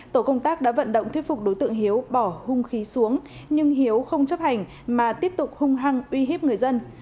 tổ công tác đã vận động thuyết phục đối tượng hiếu bỏ hung khí xuống nhưng hiếu không chấp hành mà tiếp tục hung hăng uy hiếp người dân